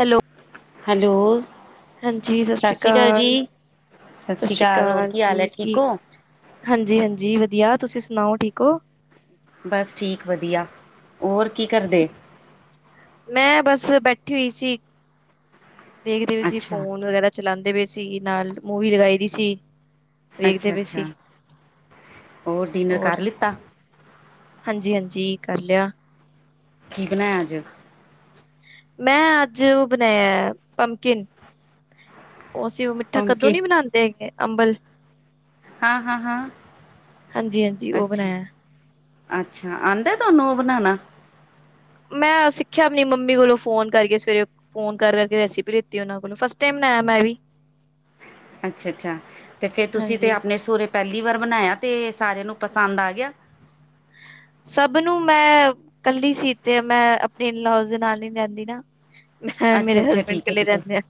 Hello, hello, ਹਾਂਜੀ ਸਤਿ ਸ੍ਰੀ ਅਕਾਲ। ਸਤਿ ਸ਼੍ਰੀ ਸ੍ਰੀ ਹੋਰ ਅਕਾਲ ਕੀ ਹਾਲ ਹੈ ਜੀ ਠੀਕ ਕੀ। ਹੋ? ਹਾਂਜੀ, ਹਾਂਜੀ ਵਧੀਆ ਤੁਸੀਂ ਸੁਣਾਓ ਠੀਕ ਹੋ। ਬਸ ਠੀਕ ਵਧੀਆ ਹੋਰ ਕੀ ਕਰਦੇ। ਮੈਂ ਬਸ ਬੈਠੀ ਹੋਈ ਸੀ, ਦੇਖਦੇ ਹੋਏ ਸੀ ਅੱਛਾ, ਫੋਨ ਵਗੈਰਾ। ਚਲਾਉਂਦੇ ਪਏ ਸੀ ਨਾਲ ਮੂਵੀ ਲਗਾਈ ਦੀ ਸੀ। ਵੇਖਦੇ ਅੱਛਾ, ਪਏ ਸੀ ਅੱਛਾ ਹੋਰ ਡਿਨਰ ਕਰ ਲਿੱਤਾ। ਹਾਂਜੀ, ਹਾਂਜੀ ਕਰ ਲਿਆ। ਕੀ ਬਣਾਇਆ ਅੱਜ। ਮੈਂ ਅੱਜ ਉਹ ਬਣਾਇਆ ਪਮਕਿਨ। ਉਸ ਉਮ ਮਿੱਠਾ ਕੱਦੂ ਪੰਮਕਿਨ ਨੀ ਬਣਾਉਂਦੇ ਹੈਗੇ ਅੰਬਲ ਹਾਂ, ਹਾਂ, ਹਾਂ ਹਾਂਜੀ, ਹਾਂਜੀ ਉਹ ਅੱਛਾ। ਬਣਾਇਆ। ਅੱਛਾ, ਆਂਦਾ ਤੁਹਾਨੂੰ ਉਹ ਬਣਾਉਣਾ। ਮੈਂ ਸਿੱਖਿਆ ਆਪਣੀ ਮੰਮੀ ਕੋਲੋਂ ਫੋਨ ਕਰਕੇ ਸਵੇਰੇ ਫੋਨ ਕਰਕੇ ਰੈਸਿਪੀ ਲੀਤੀ ਉਹਨਾਂ ਕੋਲੋਂ ਫਸਟ ਟਾਈਮ ਮੈਂ ਵੀ ਅੱਛਾ, ਅੱਛਾ ਅਤੇ ਫਿਰ ਤੁਸੀਂ ਤਾਂ ਹਾਂਜੀ ਆਪਣੇ ਸਹੁਰੇ ਪਹਿਲੀ ਵਾਰ ਬਣਾਇਆ, ਤੇ ਸਾਰਿਆਂ ਨੂੰ ਪਸੰਦ ਆ ਗਿਆ। ਸਭ ਨੂੰ ਮੈਂ ਕੱਲੀ ਸੀ। ਤੇ ਮੈਂ ਆਪਣੇ ਇਨਲੋਜ਼ ਦੇ ਨਾਲ ਨੀ ਰਹਿੰਦੀ ਨਾ। ਮੈਂ ਔਰ ਅੱਛਾ, ਮੇਰੇ ਅੱਛਾ ਹਸਬੈਂਡ ਠੀਕ ਹੈ, ਕੱਲੇ ਠੀਕ ਹੈ। ਰਹਿਦੇ ਆ।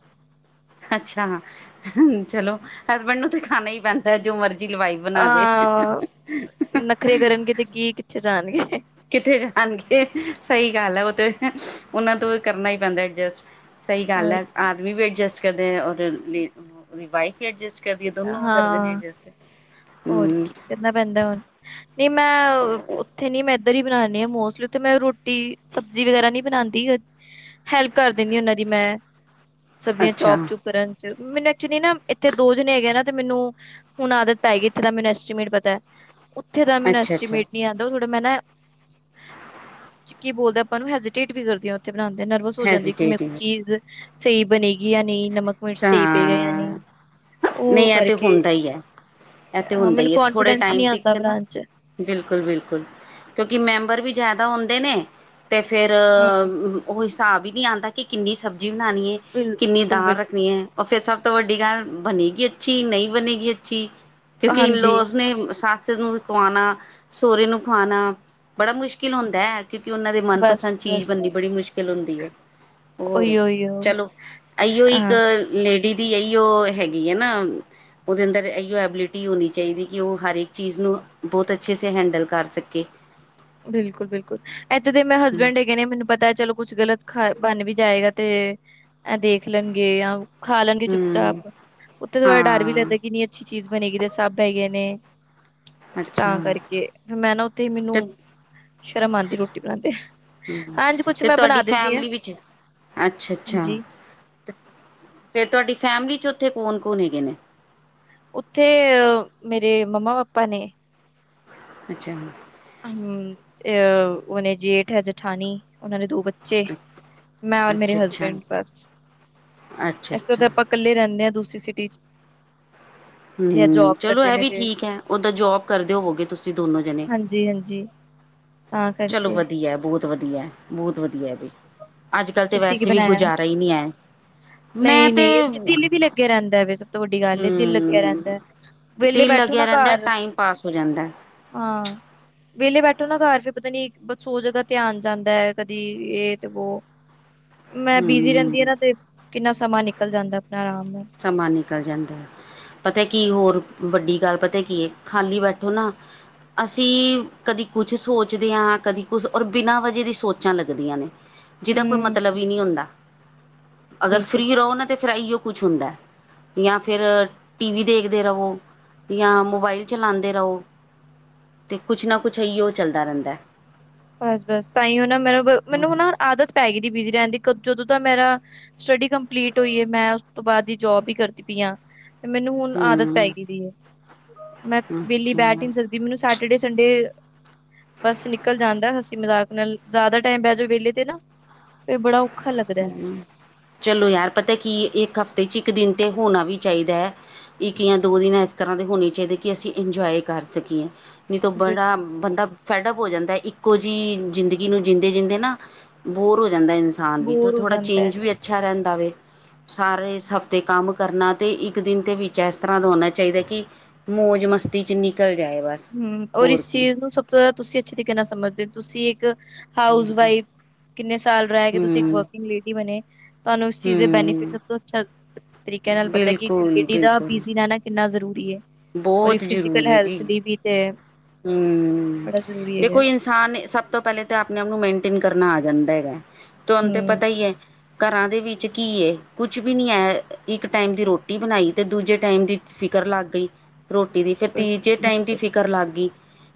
ਅੱਛਾ ਚਲੋ, ਹਸਬੈਂਡ ਨੂੰ ਤਾਂ ਖਾਣਾ ਹੀ ਪੈਂਦਾ ਹੈ, ਜੋ ਮਰਜ਼ੀ ਲਵਾਈ। ਬਣਾ ਦੇ। ਅ ਨਖਰੇ ਕਰਨਗੇ ਤੇ ਕੀ ਕਿੱਥੇ ਜਾਣਗੇ? ਕਿੱਥੇ ਜਾਣਗੇ ਸਹੀ ਗੱਲ ਹੈ, ਉਹ ਤੇ ਉਹਨਾਂ ਤੋਂ ਕਰਨਾ ਹੀ ਪੈਂਦਾ ਐਡਜਸਟ ਸਹੀ ਗੱਲ ਹੋਰ ਹੈ, ਆਦਮੀ ਵੀ ਅਡਜਸਟ ਕਰਦੇ ਔਰ ਉਹਦੀ ਵਾਈਫ ਵੀ ਅਡਜਸਟ ਕਰ ਕਰਦੀ ਦੋਨੋ ਕਰਦੇ ਨੇ ਹਾਂ ਐਡਜਸਟ ਹੋਰ ਹੂੰ। ਕੀ ਕਰਨਾ ਪੈਂਦਾ ਹੁਣ। ਨਹੀਂ ਮੈਂ ਉੱਥੇ ਨੀ, ਮੈਂ ਇੱਧਰ ਹੀ ਬਣਾਣੀ ਆ ਮੋਸਟਲੀ ਉੱਥੇ ਮੈਂ ਰੋਟੀ ਸਬ ਸਬਜੀ ਵਗੈਰਾ ਨਹੀਂ ਬਣਾਉਂਦੀ, ਹੈਲਪ ਕਰ ਦਿੰਦੀ ਉਹਨਾਂ ਦੀ ਮੈਂ ਸਬਜ਼ੀਆਂ ਅੱਛਾ ਚੋਪ- ਚੁਪ ਕਰਨ ਚ, ਮੈਨੂੰ ਐਕਚੁਲੀ ਨਾ ਇੱਥੇ ਦੋ ਜਣੇ ਹੈਗੇ ਨਾ ਤੇ ਮੈਨੂੰ ਹੁਣ ਆਦਤ ਪੈ ਗਈ, ਇੱਥੇ ਦਾ ਮੈਨੂੰ ਐਸਟੀਮੇਟ ਪਤਾ, ਉੱਥੇ ਦਾ ਮੈਨੂੰ ਅੱਛਾ ਅੱਛਾ ਐਸਟੀਮੇਟ ਆਂਦਾ ਥੋੜਾ ਮੈਂ ਨਾ ਕੀ ਬੋਲਦਾ ਆਪਾਂ ਨੂੰ ਹੈਜੀਟੇਟ ਵੀ ਕਰਦੀ ਹ ਓਥੇ ਬਣਾਉਂਦੇ ਨਰਵਸ ਹੋ ਜਾਂਦੀ, ਕਿ ਮੈਂ ਕੋਈ ਹੈਜ਼ੀਟੇਟਿੰਗ ਚੀਜ਼ ਸਹੀ ਬਣੇਗੀ ਜਾਂ ਨਹੀਂ ਨਮਕ ਕੁਛ ਸਹੀ ਪਏਗਾ ਯਾ ਨਹੀਂ। ਹਾਂ ਉਹ ਨਹੀਂ ਇਹ ਤੇ ਕਰਕੇ ਹੁੰਦਾ ਹੀ ਹੈ, ਇਹ ਤੇ ਹਾਂ ਹੁੰਦਾ ਮੈਨੂੰ ਈ ਹੈ। ਥੋੜੇ ਕੌਨਫੀਡੈਂਸ ਟਾਈਮ ਨਹੀਂ ਆਉਂਦਾ ਤੀਕਣ ਨਾ ਬਣਾਉਣ ਚ ਬਿਲਕੁਲ, ਬਿਲਕੁਲ ਕਿਉਂਕਿ ਮੈਂਬਰ ਵੀ ਜ਼ਿਆਦਾ ਹੁੰਦੇ ਨੇ ਤੇ ਫੇਰ ਹੂੰ ਉਹ ਹਿਸਾਬ ਹੀ ਨਹੀਂ ਆਉਂਦਾ, ਕਿ ਕਿੰਨੀ ਸਬਜ਼ੀ ਬਣਾਉਣੀ ਹੈ ਕਿੰਨੀ ਬਿਲਕੁਲ ਦਾਲ ਬਿਲਕੁਲ ਉਹ ਫੇਰ ਸਭ ਤੋਂ ਵੱਡੀ ਗੱਲ, ਬਣੇਗੀ ਅੱਛੀ ਨਹੀਂ ਬਣੇਗੀ ਅੱਛੀ। ਕਿਉਂਕਿ ਹਾਂਜੀ ਇਨਲੋਸ ਨੇ ਸੱਸ ਨੂੰ ਖਵਾਣਾ ਸਹੁਰੇ ਨੂੰ ਖਵਾਣਾ, ਬੜਾ ਮੁਸ਼ਕਿਲ ਹੁੰਦਾ ਹੈ। ਕਿਉਂਕਿ ਉਹਨਾਂ ਦੇ ਬਸ ਮਨਪਸੰਦ ਚੀਜ਼ ਬਸ ਬਣਨੀ ਬੜੀ ਮੁਸ਼ਕਿਲ ਹੁੰਦੀ ਹੈ। ਹੋਰ ਉਹੀਓ ਉਹੀਓ ਚਲੋ ਇਹੀਓ ਇੱਕ ਹਾਂ ਲੇਡੀ ਦੀ ਇਹੀਓ ਹੈਗੀ ਹੈ ਨਾ। ਉਹਦੇ ਅੰਦਰ ਇਹੀ ਐਬਿਲਿਟੀ ਹੋਣੀ ਚਾਹੀਦੀ, ਕਿ ਉਹ ਹਰ ਇੱਕ ਚੀਜ਼ ਨੂੰ ਬਹੁਤ ਅੱਛੇ ਸੇ ਹੈਂਡਲ ਕਰ ਸਕੇ। ਬਿਲਕੁਲ, ਬਿਲਕੁਲ ਇੱਥੇ ਦੇ ਮੇਰੇ ਹਸਬੈਂਡ ਹੈਗੇ ਨੇ ਮੈਨੂੰ ਪਤਾ ਚਲੋ ਕੁਛ ਗਲਤ ਖਾ ਬਨ ਵੀ ਜਾਏਗਾ ਤੇ ਐ ਦੇਖ ਲੈਨਗੇ ਆ। ਖਾ ਲੈਨਗੇ ਚੁੱਪ-ਚਾਪ, ਹਮ ਓਥੇ ਥੋੜਾ ਡਰ ਵੀ ਹਾਂ ਲੱਗਦਾ ਕਿਨੀ ਅੱਛੀ ਚੀਜ਼ ਬਨੇਗੀ ਤੇ ਸਭ ਹੈਗੇ ਨੇ। ਅੱਛਾ ਤਾਂ ਕਰਕੇ ਫੇਰ ਮੈਂ ਨਾ ਉੱਥੇ ਮੈਨੂੰ ਤੇ ਸ਼ਰਮ ਆਂਦੀ ਐ ਰੋਟੀ ਬਨਾਂਦੇ। ਹੂੰ ਤੇ ਤੁਆਡੀ ਫੈਮਲੀ ਵਿੱਚ ਅੱਛਾ-ਅੱਛਾ ਹਾਂਜੀ ਫੇਰ ਤੁਆਡੀ ਫੈਮਿਲੀ ਚ ਓਥੇ ਕੋਨ-ਕੋਨ ਹੈਗੇ ਨੇ। ਓਥੇ ਮੇਰੇ ਮੰਮਾ ਪਾਪਾ ਨੇ। ਅੱਛਾ। ਹੂੰ ਅ ਓਨੇ ਜੇਠ ਐ ਜਠਾਨੀ ਓਨਾਂ ਨੇ ਦੋ ਬੱ ਬੱਚੇ ਅੱਛਾ ਮੈਂ ਔਰ ਮੇਰੇ ਅੱਛਾ ਹਸਬੈਂਡ ਅੱਛਾ ਬਸ, ਏਸ ਤੋ ਅੱਛਾ ਤੇ ਆਪਾਂ ਕੱਲੇ ਰੈਂਨੇ ਆਂ ਦੂਸਰੀ ਸਿਟੀ ਚ। ਇੱਥੇ ਹੂੰ ਜੋਬ ਚਲੋ ਕਰਦੇ ਐ ਨੇ ਵੀ ਤੇ ਠੀਕ ਐ, ਓਦਾਂ ਜੋਬ ਕਰਦੇ ਹੋਵੋਗੇ ਤੁਸੀਂ ਦੋਨੋ ਜਨੇ। ਜੀ ਹਾਂਜੀ। ਤਾਂ ਚਲੋ ਕਰਕੇ ਵਦੀਆ ਬੋਤ ਵਦੀਆ-ਬੋਤ ਵਦੀਆ ਏ ਵੀ ਅੱਜ-ਕੱਲ ਤੇ ਤੁਸੀਂ ਕੀ ਵੈਸੇ ਵੀ ਬਣਾਇਆ ਗੁਜ਼ਾਰਾ ਈ ਨੀ ਐ। ਮੈਂ ਨਹੀਂ ਤੇ ਨਹੀਂ ਹੂੰ ਦਿਲ ਵੀ ਲੱਗਿਆ ਰਹਿੰਦਾ ਵੇ ਸਭ ਤੋਂ ਵੱਡੀ ਗੱਲ ਹੈ ਦਿਲ ਲੱਗਿਆ ਰਹਿੰਦਾ ਵਿਹਲੇ ਦਿਲ ਬੈਠੋ ਲੱਗਿਆ ਨਾ ਰੈਂਦਾ ਘਰ ਟਾਈਮ ਪਾਸ ਹੋ ਜਾਂਦਾ। ਹਾਂ। ਵਿਹਲੇ ਬੈਠੋ ਨਾ ਘਰ ਫੇਰ ਪਤਾ ਨੀ ਬਸ ਸੌ ਜਗ੍ਹਾ ਧਿਆਨ ਜਾਂਦਾ ਐ ਕਦੀ ਏ ਤੇ ਵੋ ਮੈਂ ਬਿਜੀ ਰੈਂਦੀ ਆ ਹਮ ਨਾ ਤੇ ਕਿੰਨਾ ਸਮਾਂ ਨਿਕਲ ਜਾਂਦਾ ਆਪਨਾ ਆਰਾਮ ਨਾਲ। ਸਮਾਂ ਨਿਕਲ ਜਾਂਦਾ। ਪਤਾ ਕੀ ਹੋਰ ਵੱਡੀ ਗੱਲ ਪਤਾ ਕੀ ਐ, ਖਾਲੀ ਬੈਠੋ ਨਾ ਅਸੀਂ ਕਦੀ ਕੁਛ ਸੋਚਦੇ ਆਂ ਕਦੀ ਕੁਛ ਔਰ ਬਿਨਾਂ ਵਜਾ ਦੀ ਸੋਚਾਂ ਲੱਗਦੀਆਂ ਨੇ। ਜਿਦਾ ਕੋਈ ਹੂੰ, ਮਤਲਬ ਈ ਨੀ ਹੁੰਦਾ, ਅਗਰ ਬਿਲਕੁਲ। ਫ੍ਰੀ ਰਹੋ ਨਾ ਤੇ ਫਿਰ ਐਈਓ ਕੁਛ ਹੁੰਦਾ ਜਾਂ ਫਿਰ ਟੀ ਵੀ ਦੇਖਦੇ ਰਵੋ। ਜਾਂ ਮੋਬਾਇਲ ਚਲਾਂਦੇ ਰਓ। ਤੇ ਕੁਛ ਨਾ ਕੁਛ ਏਈਓ ਚੱਲਦਾ ਰੈਂਦਾ। ਬਸ-ਬਸ ਤਾਂ ਈ ਓ ਨਾ ਮੈਨੂੰ-ਮੈਨੂੰ ਹੂੰ ਨਾ ਆਦਤ ਪੈ ਗਈ ਤੀ ਬਿਜ਼ੀ ਰਹਿਨ ਦੀ ਜਦੋਂ ਤਾਂ ਮੇਰਾ ਸਟੱਡੀ ਕੰਪਲੀਟ ਹੋਈ ਏ ਮੈਂ ਉਸ ਤੋਂ ਬਾਦ ਦੀ ਜੋਬ ਈ ਕਰਦੀ ਪਈ ਆ। ਮੈਨੂੰ ਹੁਣ ਆਦਤ ਪੈਗੀ ਦੀ ਐ। ਮੈਂ ਵੇਲੀ ਅੱਛਾ ਬੈਠ ਈ ਨੀ ਸਕਦੀ ਮੈਨੂੰ ਸੈਟਡੇ ਸੰਡੇ ਬੱਸ ਨਿਕਲ ਜਾਂਦਾ ਹਸੀ ਮਜ਼ਾਕ ਨਾਲ ਜ਼ਾਦਾ ਟਾਈਮ ਬੈ ਜੋ ਵੇਲੇ ਤੇ ਨਾ, ਫੇਰ ਬੜਾ ਔ ਹੂੰ ਚਲੋ ਯਾਰ ਪਤਾ ਕੀ ਏ ਏਕ ਹਫ਼ਤੇ ਚ ਇੱਕ ਦਿਨ ਤੇ ਹੋਨਾ ਵੀ ਚਾਈਦੈ। ਇੱਕ ਜਾਂ ਦੋ ਦਿਨ ਏਸ ਤਰ੍ਹਾਂ ਦੇ ਹੋਨੇ ਚਾਈਦੇ ਕਿ ਅਸੀਂ ਇੰਜੋਏ ਕਰ ਸਕੀਏ। ਨੀ ਤੋ ਬੜਾ ਬਿਲਕੁਲ, ਬਿਲਕੁਲ। ਬੰਦਾ ਫੈਡਅਪ ਹੋ ਜਾਂਦਾ ਇੱਕੋ ਜੀ ਜ਼ਿੰਦਗੀ ਨੂੰ ਹੂੰ, ਜੀ ਦੇ ਜਿੰਦੇ ਨਾ ਬੋਰ ਹੋ ਜਾਂਦਾ ਇਨਸਾਨ ਵੀ ਤੇ ਬੋਰ ਹੋ ਥੋੜ੍ਹਾ ਜਾਂਦਾ। ਚੇਂਜ ਵੀ ਅੱਛਾ ਰੈਂਦਾ ਵੇ। ਸਾਰੇ ਇਸ ਹਫ਼ਤੇ ਕੰਮ ਕਰਨਾ ਤੇ ਇੱਕ ਦਿਨ ਤੇ ਵਿੱਚ ਐਸ ਤਰ੍ਹਾਂ ਦਾ ਹੋਨਾ ਚਾਈਦੈ ਕੀ ਮੌਜ ਮਸਤੀ ਚ ਨਿਕਲ ਜਾਏ ਬਸ। ਹੂੰ ਔਰ ਹੋਰ ਇਸ ਕੀ ਚੀਜ਼ ਨੂੰ ਸਭ ਤੋਂ ਜ਼ਾਦਾ ਤੁਸੀਂ ਅੱਛੇ ਤਰੀਕੇ ਨਾਲ ਸਮਝਦੇ ਤੁਸੀਂ ਇੱਕ ਹਾਊਸ ਹੂੰ ਵਾਈਫ ਕਿੰਨੇ ਸਾਲ ਰੈ ਕੇ ਤੁਸੀਂ ਇੱਕ ਵਰਕਿੰਗ ਲੇਡੀ ਬਨੇ। ਤੁਆਨੂੰ ਇਸ ਚੀਜ਼ ਦੇ ਬੈਨੀਫਿਟ ਹੂੰ ਸਭ ਤੋਂ ਅੱਛਾ ਤਰੀਕੇ ਨਾਲ ਪਤਾ ਕਿ ਇੱਕ ਬਿਲਕੁਲ ਲੇਡੀ ਦਾ ਬਿਲਕੁਲ ਬਿਜ਼ੀ ਰਹਿਨਾ ਕਿੰਨਾ ਜ਼ਰੂਰੀ ਏ, ਔਰ ਈ ਬਹੁਤ ਫਿਜ਼ੀਕਲ ਜ਼ਰੂਰੀ ਹੈ ਹੈਲਥ ਜੀ ਦੀ ਵੀ ਤੇ ਹੂੰ, ਬੜਾ ਜ਼ਰੂਰੀ ਦੇਖੋ ਹੈਗਾ, ਇੰਸ ਹਾਂ ਨੀ ਸਭ ਤੋਂ ਪੈਲੇ ਤਾਂ ਆਪਨੇ ਆਪ ਨੂੰ ਮੇਨਟੇਨ ਕਰਨਾ ਆ ਜਾਂਦਾ ਹੈਗਾ ਤੁਆਨੂੰ ਤੇ ਹੂੰ, ਪਤਾ ਈ ਏ। ਘਰਾਂ ਦੇ ਵਿੱਚ ਕੀ ਏ ਕੁਛ ਵੀ ਨੀ ਐ ਇੱਕ ਟਾਈਮ ਦੀ ਰੋਟੀ ਬਨਾਈ ਤੇ ਦੂਜੇ ਟਾਈਮ ਦੀ ਫਿਕਰ ਲਗ ਗਈ ਰੋਟੀ ਦੀ ਫੇਰ ਤੀਜੇ ਟਾਈਮ ਦੀ ਬਿਲਕੁਲ-ਬਿਲਕੁਲ, ਫਿਕਰ ਲਾਗੀ।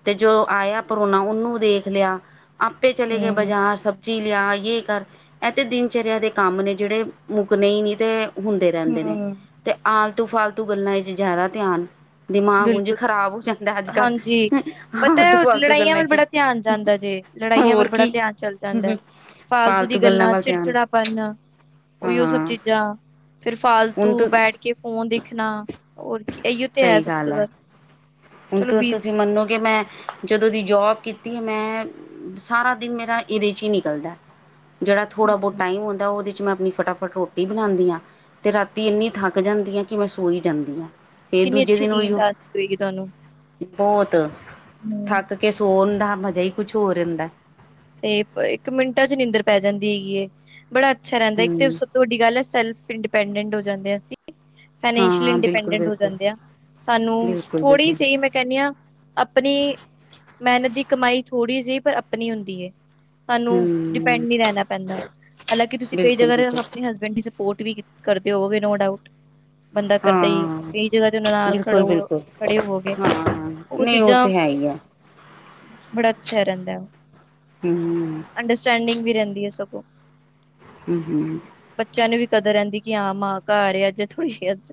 ਤੇ ਜੋ ਆਇਆ ਪਰੋਨਾ ਉਹਨੂੰ ਦੇਖ ਲਿਆ। ਆਪੇ ਚਲੇ ਗਏ ਹੂੰ, ਬਾਜ਼ਾਰ ਸਭ ਜੀ ਲਿਆ ਯੇ ਕਰ। ਐ ਤੇ ਦਿਨਚਰਿਆ ਦੇ ਕੰਮ ਨੇ ਜੇੜੇ, ਮੁਕਣੇ ਈ ਨਈ ਤੇ ਹੁੰਦੇ ਰਹਿੰਦੇ ਨੇ, ਹੂੰ, ਤੇ ਆਲਤੂ ਫਾਲਤੂ ਗੱਲਾਂ ਵਿੱਚ ਜ਼ਿਆਦਾ ਧਿਆਨ। ਦਿਮਾਗ ਉਝ ਬਿਲਕੁਲ, ਖ਼ਰਾਬ ਹੋ ਜਾਂਦਾ ਐ ਅੱਜ- ਕੱਲ੍ਹ। ਹਾਂਜੀ। ਪਤਾ ਐ, ਫਾਲਤੂ ਓ ਫਾਲਤੂ ਲੜਾਈਆਂ ਗੱਲਾਂ ਵਲ ਚ ਬੜਾ ਧਿਆਨ ਜਾਂਦਾ ਜੇ। ਲੜਾਈਆਂ ਵਲ ਹੋਰ ਬੜਾ ਕੀ ਧਿਆਨ ਚਲ ਜਾਂਦਾ ਐ। ਫਾਲਤੂ ਦੀ ਗੱਲਾਂ, ਚਿੜਚਿੜਾਪਨ। ਓਇਓ ਸਭ ਹਾਂ ਚੀਜ਼ਾਂ। ਫਿਰ ਹੁਣ ਫਾਲਤੂ ਤ ਬੈ ਕੇ ਫੋਨ ਦੇਖਣਾ। ਔਰ ਕੀ ਐਇਓ ਤੇ ਐ ਸਹੀ ਸਭ। ਤੋਂ ਗੱਲ ਹੈ ਜ਼ਿਆਦਾ ਹੁਣ ਚਲੋ ਤ ਬੀਜ਼ ਤੁਸੀਂ, ਮੰਨੋਗੇ ਮੈਂ ਜਦੋਂ ਦੀ ਜੋਬ ਕੀਤੀ ਏ ਮੈਂ, ਸਾਰਾ ਦਿਨ ਮੇਰਾ ਇਹਦੇ 'ਚ ਈ ਨਿਕਲਦਾ ਏ। ਜੇੜਾ ਥੋੜਾ ਬਹੁਤ ਹੂੰ, ਟਾਈਮ ਹੁੰਦਾ ਉਹਦੇ 'ਚ ਮੈਂ ਆਪਣੀ ਫਟਾਫਟ ਰੋਟ ਰੋਟੀ ਬਣਾਂਦੀ ਆਂ। ਤੇ ਰਾਤੀ ਇੰਨੀ ਥੱਕ ਜਾਂਦੀ ਆ ਕਿ ਮੈਂ ਸੋ ਈ ਜਾਂਦੀ ਆਂ। ਕਿੰਨੀ ਅੱਛੀ ਨੀਂਦ ਆਂਦੀ ਹੋਏਗੀ ਤੁਆਨੂੰ? ਬਹੁਤ, ਥੱਕ ਕੇ ਸੋਣ ਦਾ ਮਜ਼ਾ ਈ ਕੁੱਛ ਹੋਰ ਹੁੰਦਾ। ਸੇਪ, ਇੱਕ ਮਿੰਟਾਂ 'ਚ ਨੀਂਦਰ ਪੈ ਜਾਂਦੀ ਹੈਗੀ ਏ। ਬੜਾ ਅੱਛਾ ਰਹਿੰਦਾ ਏਕ ਤੇ ਹਮ ਸ ਤੋਡੀ ਗੱਲ ਐ ਸੈਲਫ ਇੰਡੀਪੈਂਡੈਂਟ ਹੋ ਜਾਂਦੇ ਅਸੀਂ। ਫੇਨੈਂਸਿਲ ਹਾਂ ਬਿਲਕੁਲ ਇੰਡੀਪੈਂਡਟ ਹੋ ਬਿਲਕੁਲ ਜਾਂਦੇ ਆ। ਸਾਨੂੰ, ਬਿਲਕੁਲ ਥੋੜ੍ਹੀ ਬਿਲਕੁਲ ਸੀ ਮੈਂ ਕਹਿਣੀ ਆਂ ਅਪਣੀ, ਮੇਹਨਤ ਦੀ ਕਮਾਈ ਥੋੜ੍ਹੀ ਜੀ, ਪਰ ਅਪਣੀ ਹੁੰਦੀ ਏ। ਸਾਨੂੰ ਡਿਪੈਂਡ ਹਮ ਨੀ ਰਹਿਣਾ ਪੈਂਦਾ। ਹਾਲਾਕੀ ਤੁਸੀਂ ਕਈ ਬਿਲਕੁਲ ਜਗ੍ਹਾ ਤੇ ਬਿਲਕੁਲ ਆਪਣੇ ਹਸਬੈਂਡ ਦੀ ਸ ਪੋਟ ਵੀ ਕਰਦੇ ਹੋਵੋਗੇ, ਨੋ ਡਾਊਟ। ਬੰਦਾ ਕਰਦਾ ਈ ਏ। ਹਾਂ ਕਈ ਜਗ੍ਹਾ ਤੇ ਉਹਨਾਂ ਨਾਲ ਬਿਲਕੁਲ ਖੜੋ, ਬਿਲਕੁਲ ਖੜੇ ਹੋਵਗੇ। ਉਹ ਚੀਜ਼ਾਂ ਹ [inaudible] ਬੜਾ ਅੱਛਾ ਐ ਰਹਿੰਦਾ। ਹਮ। ਅੰਡਰਸਟੈਂਡਿੰਗ ਵੀ ਰਹਿੰਦੀ ਐ ਸਗੋ। ਹਮ ਹਮ ਬੱਚਿਆਂ ਨੂੰ ਵੀ ਕਦਰ ਰਹਿੰਦੀ ਕਿ ਹਾਂ ਮਾਂ ਘਰ ਏ ਅੱਜ ਥੋੜੀ ਜੀ ਅੱਜ।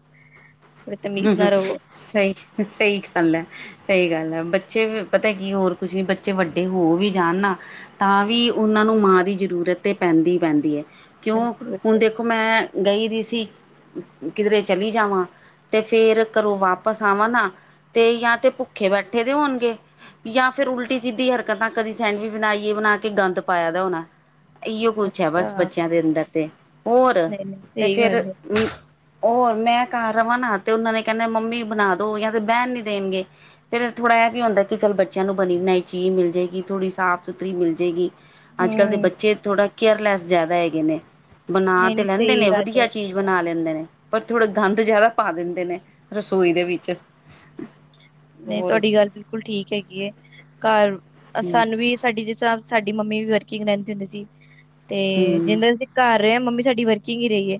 ਥੋੜੀ ਤਮੀਜ਼ ਹ-ਹ ਨਾ ਰਹੋ ਸਈ-ਸਈ ਖਲ ਐ। ਸਹੀ ਗੱਲ ਐ। ਬੱਚੇ ਪਤਾ ਕੀ ਹੋਰ ਕੁਛ ਨੀ ਬੱਚੇ ਵੱਡੇ ਹੋ ਵੀ ਜਾਣ ਨਾ ਤਾਂ ਵੀ ਉਹਨਾਂ ਨੂੰ ਮਾਂ ਦੀ ਜਰੂਰਤ ਤੇ ਪੈਂਦੀ-ਪੈਂਦੀ ਏ। ਕਿਉਂ, ਬਿਲਕੁਲ ਹੁਣ ਬਿਲਕੁਲ ਦੇਖੋ ਮੈਂ ਗਈ ਦੀ ਸੀ। ਕਿਧਰੇ ਚਲੀ ਜਾਵਾਂ ਤੇ ਫੇਰ ਘਰੋਂ ਵਾਪਸ ਆਵਾਂ ਨਾ, ਤੇ ਯਾ ਤੇ ਭੁੱਖੇ ਬੈਠੇ ਦੇ ਹੋਣਗੇ। ਯਾਂ ਫਿਰ ਉਲਟੀ ਸਿੱਧੀ ਹਰਕਤਾਂ ਕਦੀ ਸੈਂਡਵਿਚ ਬਣਾ ਈਏ ਬਣਾ ਕੇ ਗੰਦ ਪਾਇਆ ਦਾ ਹੋਣੈ। ਅਇਔ ਕੁਛ ਹੈ ਅੱਛਾ ਬਸ ਬੱਚਿਆਂ ਦੇ ਅੰਦਰ ਤੇ, ਹੋਰ, ਨਹੀਂ ਨਹੀਂ ਤੇ ਸਹੀ ਫੇਰ ਗੱਲ ਹੈ ਅਮ ਹੋਰ ਮੈਂ ਘਰ ਰਵਾਂ ਨਾ ਤੇ ਉਹਨਾਂ ਨੇ ਕਹਿੰਦੇ ਮੰਮੀ ਬਣਾ ਦੋ ਯਾਂ ਤੇ ਬਹਿਣ ਨੀ ਦੇਣਗੇ। ਫਿਰ ਥੋੜ੍ਹਾ ਇਹ ਵੀ ਹੁੰਦਾ ਕਿ ਚੱਲ ਬੱਚਿਆਂ ਨੂੰ ਬਣੀ ਬਣਾਈ ਚੀਜ਼ ਮਿਲ ਜੇਗੀ, ਥੋੜ੍ਹੀ ਸਾਫ਼ ਸੁਥਰੀ ਮਿਲ ਜੇਗੀ। ਅੱਜ ਕੱਲ ਦੇ ਹੂੰ ਬੱਚੇ ਥੋੜਾ ਕੇਅਰਲੈਸ ਜ਼ਿਆਦਾ ਹੈਗੇ ਨੇ, ਬਣਾ ਨਹੀਂ ਤੇ ਨਹੀਂ ਲੈਂਦੇ ਸਹੀ ਨੇ ਗੱਲ ਹੈ ਵਧੀਆ ਚੀਜ਼ ਬਣਾ ਲੈਂਦੇ ਨੇ, ਪਰ ਥੋੜਾ ਗੰਦ ਜ਼ਿਆਦਾ ਪਾ ਦਿੰਦੇ ਨੇ, ਰਸੋਈ ਦੇ ਵਿੱਚ। ਨਹੀਂ ਹੋਰ ਤੁਹਾਡੀ ਗੱਲ ਬਿਲਕੁਲ ਠੀਕ ਹੈਗੀ ਏ, ਘਰ ਹੂੰ ਸਾਨੂੰ ਵੀ ਤੁਹਾਡੀ ਜਿਸ ਹਿਸਾਬ ਸਾਡੀ ਮੰਮੀ ਵੀ ਵਰਕਿੰਗ ਰਹਿੰਤੀ ਹੁੰਦੀ ਸੀ, ਤੇ ਹੂੰ ਜਿੰਦਾ ਘਰ ਰਿਹਾ, ਮੰਮੀ ਸਾਡੀ ਵਰਕਿੰਗ ਹੀ ਰਹੀ ਏ।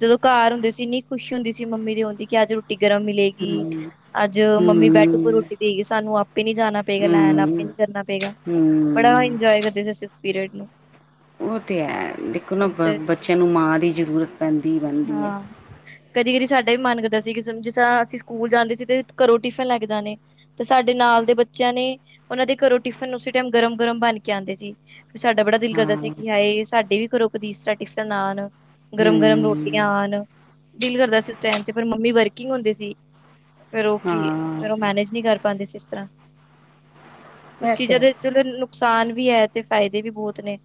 ਜਦੋਂ ਘਾਰ ਹੁੰਦੇ ਸੀ ਇੰਨੀ ਖੁਸ਼ ਹੁੰਦੀ ਸੀ ਮੰਮੀ ਦੇ ਆਉਣ ਦੀ, ਕਿ ਅੱਜ ਰੋਟੀ ਗਰਮ ਮਿਲੇ ਗੀ, ਹੂੰ ਅੱਜ ਮੰਮੀ ਬੈੱਡ ਉੱਪਰ ਹੂੰ ਰੋਟੀ ਦੇਗੀ ਸਾਨੂੰ ਆਪੇ ਨੀ ਜਾਣਾ ਪਏਗਾ, ਲੈਣ ਆਪੇ ਨੀ ਹੂੰ ਕਰਨਾ ਪਏਗਾ। ਬੜਾ ਹੂੰ ਇੰਜੋਏ ਕਰਦੇ ਸੀ ਅਸੀ ਪੀਰੀਅਡ ਨੂੰ। ਉਹ ਤੇ ਹੈ, ਦੇਖੋ ਨਾ ਹੁਣ ਬ ਤੇ ਬੱਚਿਆਂ ਨੂੰ ਮਾਂ ਦੀ ਜ਼ਰੂਰਤ ਪੈਂਦੀ ਪੈਂ ਹਾਂ ਕਦੀ ਕਦੀ ਸਾਡਾ ਵੀ ਮਨ ਕਰਦਾ ਸੀ। ਕਿਸ ਜਿਸ ਤਰ੍ਹਾ ਅਸੀਂ ਸਕੂਲ ਜਾਂਦੇ ਸੀ। ਤੇ ਘਰੋਂ ਟਿਫਨ ਲੈ ਕੇ ਜਾਣੇ। ਤੇ ਸਾਡੇ ਨਾਲ ਦੇ ਬੱਚਿਆਂ ਨੇ, ਉਹਨਾਂ ਦੇ ਘਰੋਂ ਟਿਫਿਨ ਉਸੇ ਟਾਈਮ ਗਰਮ ਗਰਮ ਬਣ ਕੇ ਆਉਂਦੇ ਸੀ। ਸਾਡਾ ਬੜਾ ਦਿਲ ਕਰਦਾ ਸੀ, ਹਾਂ। ਕਿ ਹਾਏ ਸਾਡੇ ਵੀ ਘਰੋ ਕਦੀ, ਇਸ ਤਰਾ ਟਿਫਨ ਆਉਣ ਗਰਮ ਗਰਮ ਰੋ ਟੀ ਹੂੰ ਆਨ, ਦਿਲ ਕਰਦਾ ਸੀ ਉਸ ਟਾਈਮ ਤੇ ਪਰ ਮੰਮੀ ਵਰਕਿੰਗ ਹੁੰਦੀ ਸੀ, ਫੇਰ ਉਹ ਕੀ ਫੇਰ ਉਹ ਹਾਂ ਮੈਨੇਜ ਨਹੀਂ ਕਰ ਪਾਉਂਦੇ ਸੀ ਇਸ ਤਰ੍ਹਾਂ, ਕੁਛ ਇਹ ਚੀਜ਼ਾਂ ਹੈ। ਤੇ ਚਲੋ ਨੁਕਸਾਨ ਵੀ ਹੈ ਤੇ, ਫਾਇਦੇ ਵੀ ਬਹੁਤ ਨੇ।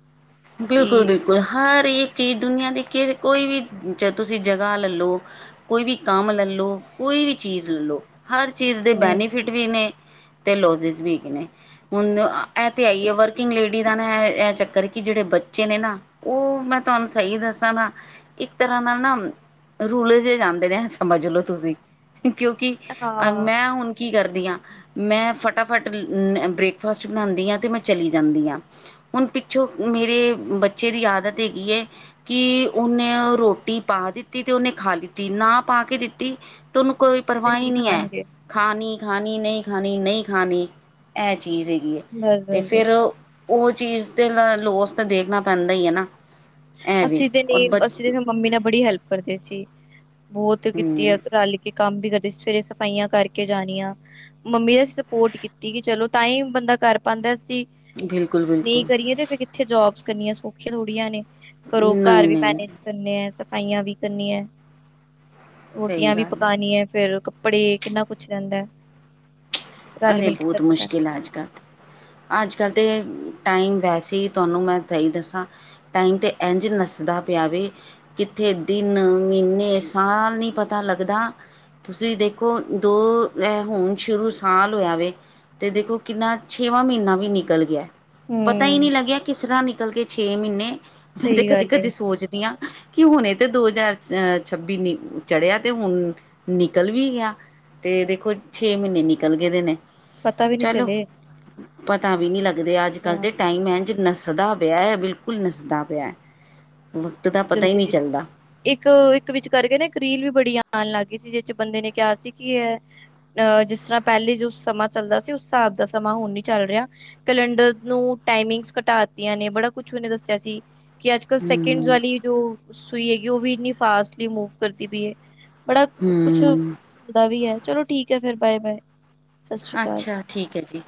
ਬਿਲਕੁਲ, ਕਿ ਬਿਲਕੁਲ, ਹਰ ਇੱਕ ਚੀਜ਼ ਦੁਨੀਆਂ ਦੀ ਕੋਈ ਵੀ ਤੁਸੀਂ ਜਗ੍ਹਾ ਲਲੋ ਕੋਈ ਵੀ ਕੰਮ ਲੈ ਲਓ, ਕੋਈ ਵੀ ਚੀਜ਼ ਲੈ ਲਓ, ਹਰ ਚੀਜ਼ ਦੇ ਹੂੰ ਬੈਨੀਫਿਟ ਵੀ ਨੇ ਤੇ ਲੋਜਿਸ ਵੀ ਹੈਗੇ ਨੇ, ਹੁਣ ਇਹ ਤੇ ਹੈਈ ਏ, ਵਰਕਿੰਗ ਲੇਡੀ ਦਾ ਨਾ ਇਹ ਚੱਕਰ ਕਿ ਜਿਹੜੇ ਬੱਚੇ ਨੇ ਨਾ, ਉਹ ਮੈਂ ਤੁਹਾਨੂੰ ਸਹੀ ਦੱਸਾਂ ਨਾ ਇੱਕ ਤਰ੍ਹਾਂ ਨਾਲ ਨਾ ਰੂਲ ਜ਼ੇ ਜਾਂਦੇ ਨੇ ਸਮਝ ਲੋ ਤੁਸੀਂ ਕਿਉਂਕਿ ਅ ਹਾਂ ਮੈਂ ਹੁਣ ਕੀ ਕਰਦੀ ਆਂ, ਮੈਂ ਫਟਾਫਟ ਬ੍ਰੇਕਫਾਸਟ ਬਣਾਉਂਦੀ ਆਂ, ਤੇ ਮੈਂ ਚਲੀ ਜਾਂਦੀ ਆਂ। ਹੁਣ ਪਿੱਛੋਂ ਮੇਰੇ ਬੱਚੇ ਦੀ ਆਦਤ ਹੈਗੀ ਏ। ਕਿ ਉਹਨੇ ਰੋਟੀ ਪਾ ਦਿੱਤੀ ਤੇ ਉਹਨੇ ਖਾ ਲਿੱਤੀ ਨਾ ਪਾ ਕੇ ਦਿੱਤੀ ਤੇ ੳਨੂੰ ਕੋਈ ਤੇ ਪਰਵਾਹ ਈ ਨਹੀਂ ੲੈ, ਖਾਣਗੇ ਖਾਣੀ ਖਾਣੀ ਨਹੀਂ ਖਾਣੀ ਨਹੀਂ ਖਾਣੀ। ਇਹ ਚੀਜ਼ ਹੈਗੀ ਏ, ਤੇ ਫਿਰ ਬਸ-ਬਸ-ਬਸ ਉਹ ਚੀਜ਼ ਤੇ ਲੋਸ ਤਾਂ ਦੇਖਣਾ ਪੈਂਦਾ ਈ ਏ ਨਾ। ਐ ਵੀ ਅਸੀਂ ਤੇ ਔਰ ਨੀ ਬ ਅਸੀਂ ਤੇ ਫੇਰ ਮੰਮੀ ਨਾਲ ਬੜੀ ਹੈਲਪ ਕਰਦੇ ਸੀ, ਬਹੁਤ ਕੀਤੀ ਆ ਹਮ ਰਲ ਕੇ ਕੰਮ ਵੀ ਕਰਦੇ ਸੀ, ਸਵੇਰੇ ਸਫ਼ਾਈਆਂ ਕਰਕੇ ਜਾਣੀਆਂ। ਮੰਮੀ ਦਾ ਸਪੋਰਟ ਕੀਤੀ, ਕਿ ਚਲੋ ਤਾਂ ਹੀ ਬੰਦਾ ਕਰ ਪਾਉਂਦਾ ਅਸੀ ਬਿਲਕੁਲ ਨਹੀਂ ਬਿਲਕੁਲ ਕਰੀਏ ਤੇ ਫਿਰ ਕਿੱਥੇ ਜੋਬਸ ਕਰਨੀਆਂ ਸੌਖੀਆਂ ਥੋੜੀਆਂ ਨੇ। ਘਰੋ ਘਰ ਨਹੀਂ ਵੀ ਨਹੀਂ ਮੈਨੇਜ ਨਹੀਂ ਕਰਨੇ ਏ, ਸਫਾਈਆਂ ਵੀ ਕਰਨੀਆਂ ਏ। ਸਹੀ ਰੋਟੀਆਂ ਵੀ ਗੱਲ ਹੈ ਪਕਾਨੀਆਂ ਏ ਫੇਰ ਕੱਪੜੇ ਕਿੰਨਾ ਕੁਛ ਰਹਿੰਦਾ ਏ। ਅਰੇ ਬਹੁਤ ਮੁਸ਼ਕਿਲ ਏ ਅੱਜ ਕੱਲ। ਅੱਜ ਕੱਲ੍ਹ ਤੇ ਟਾਈਮ ਵੈਸੇ ਈ ਤੁਹਾਨੂੰ ਮੈਂ ਸਹੀ ਦੱਸਾਂ ਟਾਈਮ 'ਤੇ ਇੰਝ ਨੱਸਦਾ ਪਿਆ ਵੇ। ਕਿੱਥੇ ਦਿਨ, ਮਹੀਨੇ, ਸਾਲ ਨੀ ਪਤਾ ਲੱਗਦਾ ਤੁਸੀਂ ਦੇਖੋ ਦੋ ੲੈ ਹੁਣ ਸ਼ੁਰੂ ਸਾਲ ਹੋਇਆ ਵੇ ਤੇ ਦੇਖੋ ਕਿੰਨਾ ਛੇਵਾਂ ਮਹੀਨਾ ਵੀ ਨਿਕਲ ਗਿਆ ਏ। ਪਤਾ ਹੀ ਹਮ ਨਹੀਂ ਲੱਗਿਆ ਕਿਸ ਤਰ੍ਹਾਂ ਨਿਕਲ ਕੇ ਛੇ ਮਹੀਨੇ ਕਹਿੰਦੇ ਸਹੀ ਕਦੀ ਗੱਲ ਏ ਕਦੀ ਸੋਚ ਦੀ ਆਂ, ਕਿ ਹੁਣੇ ਤੇ ਦੋ ਹਜ਼ਾਰ ਅਹ ਛੱਬੀ ਨੀ ਚੜਿਆ ਤੇਊ ਹੁਣ ਨਿਕਲ ਵੀ ਗਿਆ, ਤੇ ਦੇਖੋ ਛੇ ਮਹੀਨੇ ਨਿਕਲ ਗਏ ਦੇ ਨੇ। ਪਤਾ ਵੀ ਨਹੀਂ ਚਲੋ ਚਲੇ। ਪਤਾ ਵੀ ਨੀ ਲੱਗਦੇ ਅੱਜ ਕੱਲ੍ਹ ਹਾਂ। ਤੇ ਟਾਈਮ ਐ ਜ ਨੱਸਦਾ ਪਿਆ ਏ ਬਿਲਕੁਲ ਨੱਸਦਾ ਪਿਆ ਏ, ਵਕਤ ਦਾ ਪਤਾ ਈ ਜਲਦੀ ਨੀ ਚੱਲਦਾ ਇੱਕ, ਇੱਕ ਵਿੱਚ ਕਰਕੇ ਨਾ ਇੱਕ ਰੀਲ ਵੀ ਬੜੀ ਆਣ ਲੱਗ ਗਈ ਸੀ ਜਿਸ 'ਚ ਬੰਦੇ ਨੇ ਕਿਯਾ ਸੀ ਕਿ ਇਹ ਅ ਜਿਸ ਤਰ੍ਹਾਂ ਪਹਿਲੇ ਜੋ ਸਮਾਂ ਚੱਲਦਾ ਸੀ, ਉਸ ਹਿਸਾਬ ਦਾ ਸਮਾਂ ਹੁਣ ਨੀ ਚੱਲ ਰਿਆ ਕੈਲੰਡਰ ਨੂੰ ਟਾਈਮਿੰਗਸ ਘਟਾ ਤੀਆਂ ਨੇ ਬੜਾ ਕੁਛ ਉਹਨੇ ਦੱਸਿਆ ਸੀ ਕਿ ਅੱਜ ਕ ਸੈਕਿੰਡਸ ਹੂੰ ਵਾਲੀ ਜੋ ਸੂਈ ਹੈਗੀ, ਉਹ ਵੀ ਇੰਨੀ ਫਾਸਟਲੀ ਮੂਵ ਕਰਦੀ ਪਈ ਏ। ਬੜਾ ਕੁਛ ਹੂੰ ਹੁੰਦਾ ਵੀ ਏ, ਚਲੋ ਠੀਕ ਹੈ ਫਿਰ ਬਾਏ ਬਾਏ। ਅੱਛਾ, ਠੀਕ ਹੈ ਜੀ।